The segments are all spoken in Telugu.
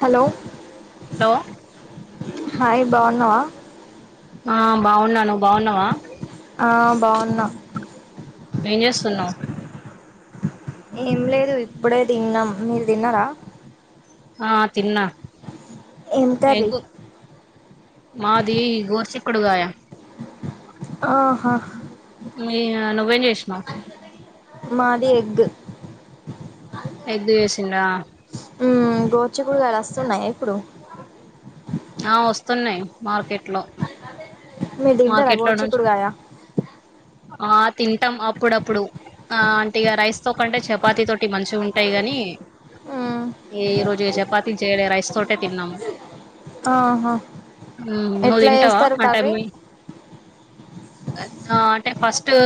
హలో హలో హాయ్ బాన్నావా ఆ బాగున్నాను నువ్వు బాగున్నావా ఆ బాగున్నా ఏమి చేస్తున్నావు ఏం లేదు ఇప్పుడే తిన్నాం మీరు తిన్నరాా ఆ తిన్నా ఏం కర్రీ ఎంకు మాది ఈ గోశ చిక్కుడు కాయ ఆహా నేనా నువ్వేం చేసినావు మాది ఎగ్ ఎగ్ చేసింద్ర గోరు చిక్కుడు కాయలు వస్తున్నాయ ఇప్పుడు ఆ వస్తున్నాయి మార్కెట్ లో మీరూ తింటారా మార్కెట్ లో గోరు నుంచి చిక్కుడు కాయా ఆ తింటాం అప్పుడప్పుడు ఆ అంటే ఇక రైస్ తో కంటే చపాతి తోటి మంచిగా ఉంటాయి గాని ఏ ఈ రోజు చపాతీ చేయలే రైస్ తోటే తిన్నాము ఆహా నువ్వు ఎట్లా తింటావా చేస్తారు ఆ కర్రీ టైమ్ అంటే ఫస్ట్ ఉ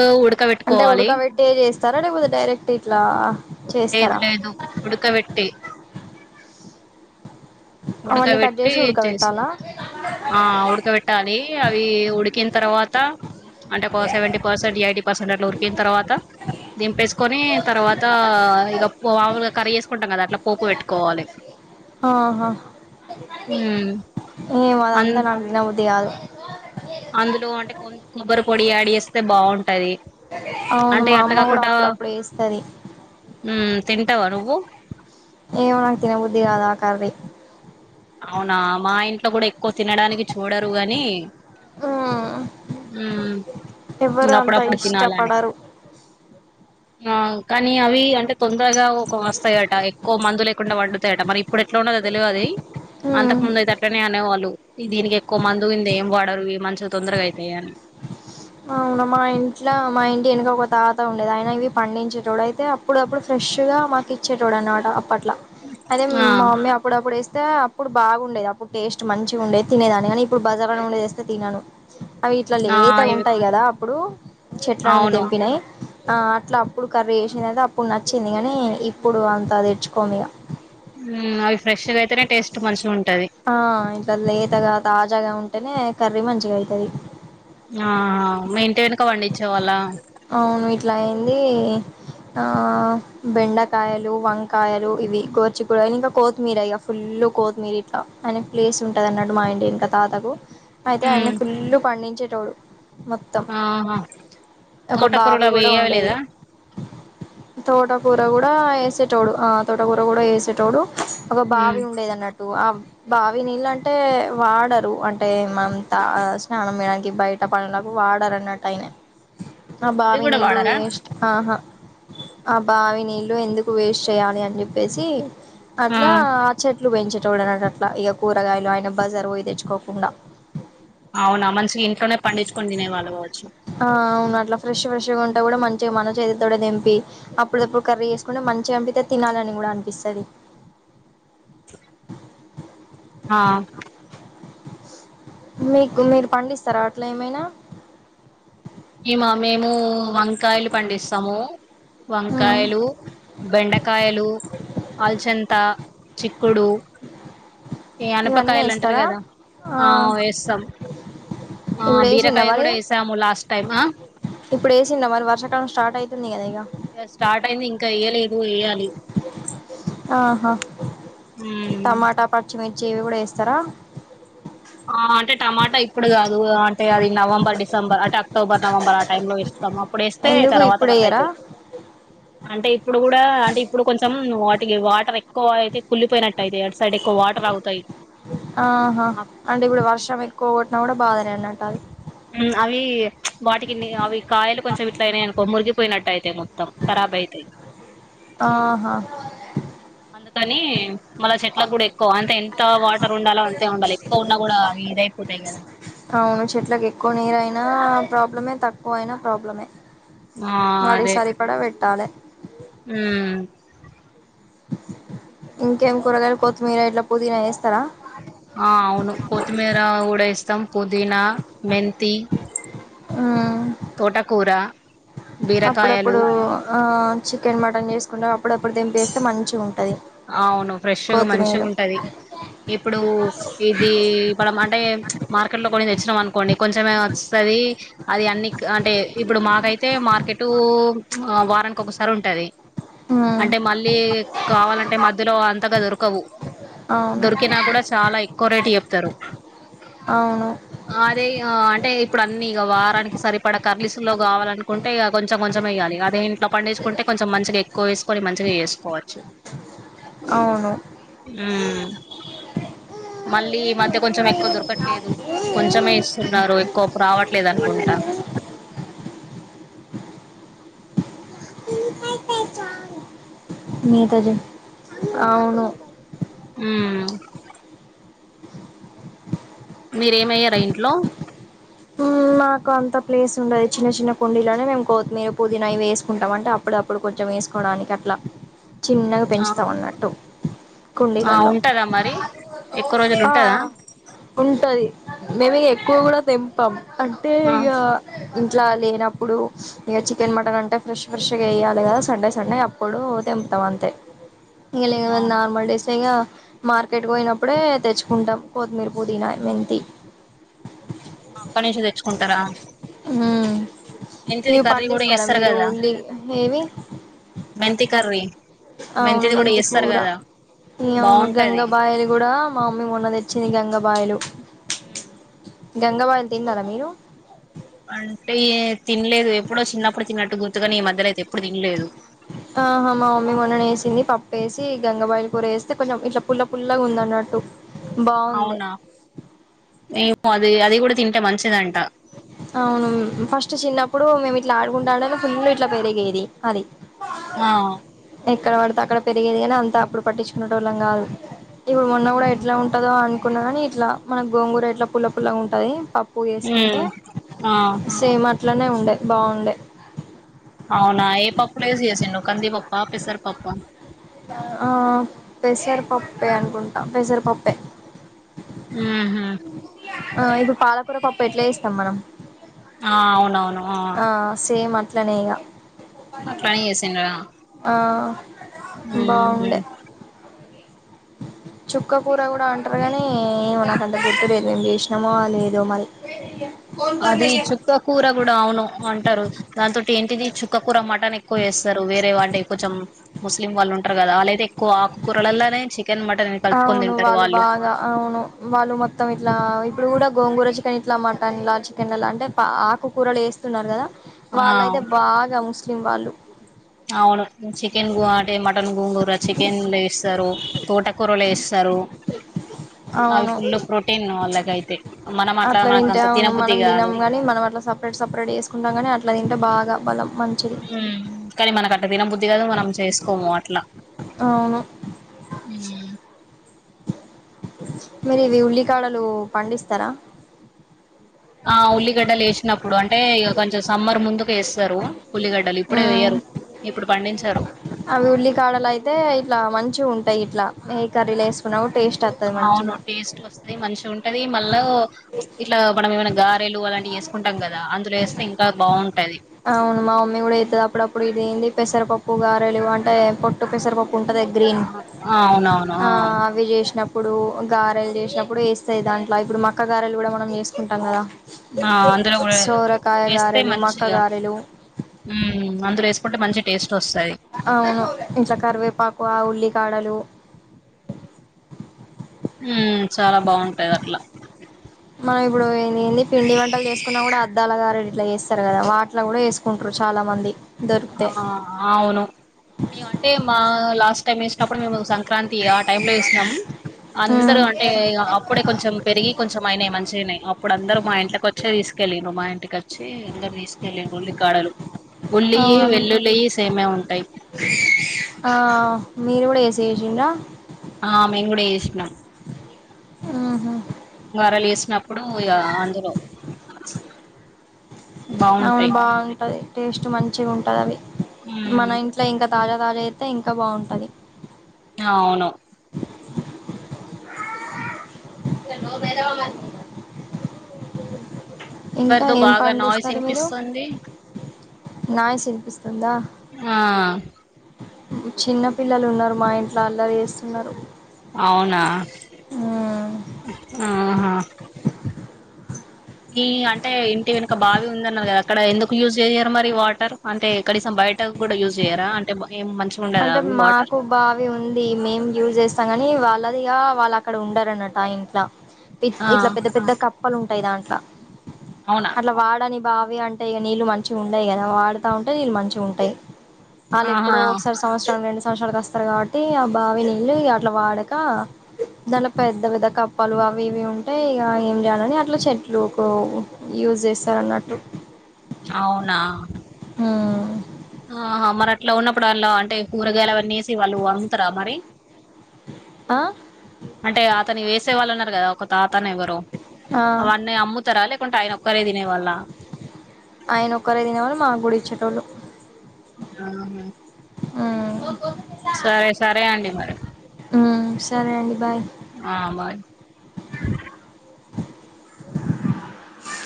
అంటే ఉడకబెట్టి చేస్తారా లేపోద్ది డైరెక్ట్ ఇట్లా లేదు చేస్తారా లేదు ఉడకబెట్టి అవన్నీ కట్ ఉడకబెట్టి చేసి చేస్త ఉడకబెట్టాలా ఆ ఉడకబెట్టాలి అవి ఉడికిన తర్వాత అంటే ఒక సెవెంటీ పర్సెంట్ ఎయిటీ పర్సెంట్ అట్లా ఉడికిన తరువాత దింపేసుకొని తర్వాత ఇక వాములు కర్రీ చేస్తాము కదా అట్లా పోపు పెట్టుకోవాలి ఆహా హ్మ్మ్ ఏమో అది అంత నాకు తినబుద్ది కాదు అందులో అంటే కొ కొబ్బరి పొడి యాడ్ చేస్తే బాగుంటది అవును అంటే మా అట్లా అమ్మ కూడా కాకుండా అప్పుడప్పుడు వేస్తది హ్మ్మ్ తింటావా నువ్వు ఆ తినబుద్ది కాదు ఆ కర్రీ అవునా మా ఇంట్లో కూడా ఎక్కువ తినడానికి చూడరు గాని మ్మ్ ఆ ఎవ్వరు అంత అప్పుడప్పుడు తినాలి కదా ఇష్టపడరు ఆ కానీ అవి అంటే తొందరగా వస్తాయట ఎక్కువ మందులు ఎ కుండా వండుతాయట మరి ఇప్పుడు ఎట్లా ఉండదుో తెలియ అది మ్మ్ అంతకు ముందు అయితే అట్నే అనేవాళ్ళు ఈ దీనికి ఎక్కువ మందు ఇంది ఏం వాడరు ఇ మంచిగా తొందరగా అయితాయి అని అవునా మా ఇంట్లో మా ఇంటి వెనక ఒక తాత ఉండేది ఆయన ఇవి పండించేటడు అయితే అప్పుడప్పుడు ఫ్రెష్ ఫ్రెష్ గా మాకు ఇచ్చేటోడు అనమాట అప్పట్లా అయితే ఆ మా మమ్మీ అప్పుడప్పుడు వే స్తే అప్పుడు బాగుండేది అప్పుడు టేస్ట్ మంచిగా ఉండేది తినేదాన్ని కానీ ఇప్పుడు బజార్నే ఉండేదిస్తే తినాను అవిట్లా ఆ లేతగ ఇవి ఉంటాయి కదా అప్పుడు చెట్ల నుండి అవును తెంపినాయి ఆ అట్లా అప్పుడు కర్రీ వేసింది అయితే అప్పుడు నచ్చింది కానీ ఇప్పుడు అంత తెచ్చుకోము ఇక వో మ్ అవి ఫ్రెష్గా అయితేనే టేస్ట్ మంచిగుంటది. అంటేనే కర్రీ మంచిగయితాది. ఆ మీ ఇంటి వెనుక పండించేవాళ్ళ? అవును ఇట్లా అయింది ఆ బెండకాయలు, వంకాయలు ఇవి గోర్చిక్కుడు కా ఇంకా కొతిమీర ఇగ ఫుల్ కోతిమీరి ఇట్ల ఐన ప్లేస్ ఉంటది అన్నట్టు మా ఇంటి ఇంకా తాతకు అయితే అన్ని ఉమ్, ఫుల్లు పండించేటోడు. మొత్తం ఆహా ఒక తోటకూరలు బావి అవి కూడ ఏవి ఉండేది లేదా తోటకూర కూడ ఏసేటోడు ఆ తోటకూర కూడ ఏసేటోడు ఒక ఉమ్, బావి ఉండేది అన్నట్టు ఆ బావి నీళ్లంటే వాడరు అంటే మన త స్నానం చేయడానికి బయ్ అట్ట పనులకు వాడరన్నట్టు అయినా. ఆ అవి బావి కూడా నీళ్ళు వాడరా వేస్ట్ ఆహా ఆ బావి నీళ్ళు ఎందుకు వేస్ట్ చేయాలి అని చెప్పేసి ఆ అట్లా ఆ చెట్లు పెంచి చూడనకట్ల ఇక కూరగాయలు ఆయన బజార్ పోయి తెచ్చుకోకుండ. అవునా మంచిగ ఇంట్లోనే పండిచ్చుకొని తినేవాళ్ళు కావచ్చు ఇట్లా ఫ్రెష్ ఫ్రెష్గా ఉంటే కూడ, మంచిగ మన చేతులతోటే తెంపి, అప్పుడది అప్పుడు కర్రి చేసుకుంటే మంచిగనిపిత్తది తినాలని. కూడ అనిపిస్తది. ఆ మీకు మీరు పండిస్తారా అట్ల ఏమైన మేమా మేము వంకాయలు పండిస్తాము. వంకాయలు, బెండకాయలు, అల్చంత చిక్కుడు ఈ ఇవన్నీ అనపకాయలు అంటారు వేస్తారా కదా, ఆ వేస్తాం. ఆ ఇప్పుడు వేసిండ బీరకాయ కూడ మరి ఏసాము లాస్ట్ టైం ఆ ఇప్పుడు వేసింద మరి వర్షాకాలం స్టార్ట్ అయితుంది కదా ఇగ ఇక స్టార్ట్ అయింది ఇంకా ఇయ్యలేదు ఇయ్యాలి ఆహా మ్ చేవి కూడ ఏస్తారా ఆ అంటే టమాటా ఇప్పుడు కాదు అంటే అది నవంబర్, డిసెంబర్ అంటే అక్టోబర్, నవంబర్ ఆ టైమ్ లో ఏస్తాం. రమ అప్పుడు ఏస్తే ఎందుకు తరువాత ఇప్పుడు వర్క్ వేయరా అయితయి. అంటే ఇప్పుడు కూడ అంటే ఇప్పుడు కొంచెం వాటికి వాటర్ ఎక్కువ అయితే కుళ్లిపోయినట్ టయితే అటు సైడ్ ఎక్కువ వాటర్ ఆగుతాయి. ఆహా ఆ అంటే ఇప్పుడు వర్షం ఎక్కువ కొట్టిన కూడ బాధనే అన్నట్టు అది కీ వాటికి అవి కాయలు కొంచెం ఇట్లయినయనుకో మురిగిపోయినట్టు అయితాయి మోత్ తమ్ ఖరాబ్ అయితయి. ఆహా అందుకని మళ్ళ చెట్లకు కూడ ఎక్కువ అంతే ఎంత వాటర్ ఉండాలో అంతే ఉండాలి ఎక్కువ ఉన్నా కూడ అవి ఇదయిపోతాయి కదా! అవును చెట్లకి ఎక్కువ నీరయినా ప్రాబ్లమే తక్కువయినా ప్రాబ్లమే. ఆ వాటికి సరిపడా పెట్టాలె మ్ ఇంకేం కూరగాయలు కొత్తిమీర ఇట్ల పుదీనా వేస్తారా? ఆ అవును కొతిమీర కూడ ఏస్తాం. పుదీనా, మెంతి తోటకూర బీరకాయలు అప్పుడప్పుడుఆ చికెన్ మటన్ చేసుకుంటాం అప్పుడప్పుడు దంపేస్తే మంచిగా ఉం అవును ఫ్రెష్గా మంచిగ ఉంటది ఇప్పుడు ఇది ఇప్పుడు అంటే మార్కెట్ లో కొన్ని తెచ్చినాం అనుకోండి కొంచెమే వస్తది అది అన్ని అంటే ఇప్పుడు మాకైతే మార్కెట్ ఇటు వారానికి ఒకసారి ఉంటాది ఉమ్ అంటే మళ్ళీ కావాలంటే మధ్యలో అంతగా దొరకవు అవును దొరికినా కూడా చాలా ఎక్కువ రేటు చెప్తారు అవును అదే అంటే ఇప్పుడు అన్ని ఇక వారానికి సరిపడ కర్రీసు లోకి కావాలనుకుంటే ఇక కొంచెం కొంచెం వయ్యాలి అదే ఇంట్లో పండించుకుంటే కొంచెం మంచిగా ఎక్కువ వేసుకొని మంచిగా చేసుకోవచ్చు అవును ఉమ్ మళ్ళీ మద్ అయితే కొంచెం ఎక్కువ దొరకట్లేదు కొంచెమే ఇస్తున్నారు ఎక్కువ రావట్లేదు అనుకుంటా అ మీతో జేఅవును హ్మ్ మీరేమెయ్యారా ఇంట్లో మాకు అంత ప్లేస్ ఉండదు చిన్న చిన్న కుండీలోనే మేము కొత్తిమీర పుదీన ఇవి వేసుకుంటాం అంటే అప్పుడు అప్పుడు కొంచెం వేసుకోడానికి అట్లా చిన్నగా ఆ పెంచుతాం అన్నట్టు ఆ కుండీగల్లో ఉంటదా మరి ఎక్కువ రోజులు ఆ ఉంటదా ఉంటది మేము ఎక్కువ కూడా తెంపం అంటే ఆ ఇక ఇట్లా లేనప్పుడు ఇక చికెన్ మటన్ అంటే ఫ్రెష్ ఫ్రెష్గా వెయ్యాలి కదా సండే సండే అప్పుడు తెం తం అంతే ఒ ఇంక లేవం నార్మల్ డేసేగా మార్కెట్ పోయినప్పుడే తెచ్చుకుంటాం కొత్తిమీర పుదీనా మెంతి అక్కడ నుంచే తెచ్చుకుంటారా హ్మ్ మెంతిది ఇవి కర్రీ కూడా పండిస్తారా చేస్తారు మీరు కదా ఉల్లి ఏమి మెంతి కర్రీ అవును మెంతిది కూడా మెంతి చేస్తారు కూర కదా ఇగ అవును బాగుంటది గంగాబాయిలు కూడా మా మమ్మీ మొన్న తెచ్చింది గంగబాయిలు హ్మ్ గంగాబాయిలు తిన్నారా మీరు అంటే తినలేదు ఎప్పుడో చిన్నప్పుడు తిన్నట్టు గుర్తుగాని ఈ మధ్యలో అయితే ఎప్పుడు తినలేదు ఆహా మా మమ్మీ మొన్న వేసింది పప్ వేసి గంగబాయిలు కూర వేస్తే కొంచెం ఇట్లా పుల్ల పుల్లగా ఉందన్నట్టు అవునా నేము అది అది కూడా తింటే మంచిదంట అవును ఫస్ట్ చిన్నప్పుడు మేము ఇట్లా ఆడుకుంటా ఆడే ఫుల్ ఇట్లా పెరిగేది అది ఆ ఎక్కడ పడితే అక్కడ పెరిగేది కాని అంతా అప్పుడు పట్టించుకునేటోళ్ళం కాదు ఇప్పుడు మొన్న కూడా ఎట్లా ఉంటుందో అ కున్న ఇట్లా మన గోంగూర ఇట్లా పుల్ల పుల్లగా ఉంటది పప్పు కుంటే ఉమ్ ఆ సేమ్ అట్లనే ఉండే బాగుండే అవునా [unintelligible] చేసిండు కందిపప్పా పెసరపప్పా ఆ పెసరపప్పే అనుకుంటాం పెసరపప్పే ఊహూ ఆ ఇప్పుడు పాలకూర పప్పు ఎట్లా జేస్తాం మనం ఆ అవునవును ఆ అట్లనే ఇగ అట్లనే జేసింర్రా ఆ ఉమ్ హు బాగుండే చుక్క కూర గూడా అంటారు గానీ ఏమో నాకంత గుర్తు లేదు మేం జేసినామో లేదో మరి [unintelligible] అది చుక్కకూర గూడా అవును అంటరు దాని తోటి ఏంటిది చుక్కకూర మటన్ ఎక్ ఎక్కువ చేస్తరు వేరే వాళ్ళె కొంచెం ముస్లిం వాళ్ళు ఉంటారు గదా ఆళ్ళైతే ఎక్కువ ఆకుకూరలల్లనే చిక్ అవును వాళ్ళు బాగా అవును వాళ్ళు మొత్తం ఇట్లా ఇప్పుడు గూడా గోంగూర చికెన్ ఇట్లా మటన్లా చికెన్ ఇలా అంటే ఆకుకూరలు యేస్తున్నారు గదా ఆ వాళ్ళయితే బాగా ముస్లిం వాళ్ళు అవును చికెన్ గో అంటే మటన్ గోంగూర చికెన్ లేస్తరు తోటకూర లేస్తరు అవి అవును ఫుల్ల్ ప్రోటీన్ వాళ్ళకయితే మనం అట్లా మనకు అంత తినబుద్ధి గాదు సపరేట్చేసుకుంటా గాని అట్లా తింటే బా ఉమ్ కానీ మనకు అట్ట తినబుద్ధి గాదు మనం చేసుకోము అట్లా అవును ఉమ్ మీరు ఇది ఉల్లికాడలు పండిస్తారా ఆ ఉల్లిగడ్డలు యేసినప్పుడు అంటే ఇగ కొంచెం సమ్మర్ ముందుకు యేస్తరు ఉమ్ పండించారు అవి ఉల్లి కాడలు అయితే ఇట్లా మం చి ఉంటాయి ఇట్లా ఏ కర్రీల యేసుకున్న అవును టేస్ట్ వస్తయ్ మంచి ఉం టవి మళ్ళా ఇట్లా మనం ఏమైనా గారెలు అలాంటివి చేసుకుంటాం గదా అందులో యేస్తే ఇంకా బాగుంటది అవును మా మమ్మీ కూడా జేత్తది అప్పుడప్పుడు ఇదేందీ పెసరపప్పు గారెలు అంటే పొట్టు పెసరపప్పు ఉంటదిగా గ్రీన్ అవునవును ఆ అవి జేసినప్పుడు ఇప్పుడు గారెలు జేసినప్పుడు యేస్తాయి దాంట్ల ఇప్పుడు మక్క గారెలు గూడా మనం జేసుకుంటాం గదా ఆ సోరకాయ గారెలు మక్క ఇగ గారెలు అందలో యేసుకుంటే మంచి టేస్ట్ వస్తది అవును ఇట్లా కరివేపాకు ఉల్లి కాడలు ఉమ్ చాలా బాగుంటాది అట్లా మనం ఇప్పుడు ఏ ఏంది పిండి వంటలు జేసుకున్నా గూడా అద్దాల గారెలు ఇట్లా జేస్తరు గదా వాటిల గూడా జేసుకుంటరు చాలామంది ఆ అవును మేం అంటే మా లాస్ట్ టైం వేసినప్పుడు మేము సంక్రాంతి ఆ టైంలో యేసినం అందరుఅంటే అప్పుడే కొంచెం పెరిగి కొంచెం అయినాయి మంచిగనే అప్పుడు అందరూ మా ఇంట్లకు వచ్చే తీసు కెళ్ళిర్రు మా ఇంటికి వచ్చి అందరు తీసుకెళ్ళిర్రు ఉల్లి కాడలు ఉల్లి అవును వెల్లులి సేమే ఉంటాయి ఆ మీరు గూడా ఏసి యేసిరా ఆ మేమ్ గూడ యేసినం ఉహు మరలే ఇప్పుడు ఇగ అందులో అవును బాగుంటాయి బాగుంటది టేస్ట్ మంచి ఉంటది అది ఉమ్ మన ఇంట్ల ఇంకా తాజా తాజా అయితే ఇంకా బాగుంటది అవును ఓ వెధవ ఇంకా ఎవరిదో ఏం బాగా నాయిస్ పండిస్తారు మీరు వినిపిస్తుంది వాయిస్ వినిపిస్తుందా ఆ చిన్న పిల్లలున్నరు మా ఇంట్ల అల్లరి చేస్తున్నరు అవునా ఆహా అ ఈ అంటే ఇంటి వెనుక బావి ఉందన్నరు గా అక్కడ ఎందుకు యూజ్ జెయ్యారు మరి వాటర్ అంటే కనీసం బయట గుడ యూజ్ జెయరా అంటే ఏం మంచిగా ఉండదా అంటే అవి వాటర్ మాకు బావి ఉంది మేం యూజ్ వాళ్ళదిగా వాళ్ళక్కడ ఉండరన్నట ఆ ఇంట్ల ఆ ఇట్ల పెద్ద పెద్ద కప్పలు దాంట్ల అవునా అట్ల వాడని బావి అంటే ఇగ నీళ్ళు మంచిగుండయి గదా వాడుతా ఉంటే నీళ్ళు మంచిగుంటయి ఆహా రెండు సంవత్సరాల కస్తరు కాబట్టి ఆ బావి నీళ్ళు ఇగట్ల వాడక దాన్లో పెద్ద పెద్ద కప్పలు అవి ఇవి ఉంటే ఇగ ఏం జెయాలని అట్లా చెట్లుకు యూజ్ చేస్తారన్నట్టు అవునా మ్మ్ ఆహా మరట్లా ఉన్నప్పుడు అల్లో అంటే కూరగాయలు అవన్నేసి వాళ్ళు అముతారా మరి ఆ అంటే అతని వేసే వాళ్ళున్నారు కదా ఒక తనెవరో ఆ అవన్నీ అమ్ముతరా లేకుంటే ఆయనొక్కరే తినే వాళ్ళ ఆయనొక్కరే దినేవాడు మా గుడ ఇచ్చేటోళ్ళు ఆ మ్మ్ సరే సరే అండి మరి ఉమ్ సరే అండి బాయ్ ఆ బాయ్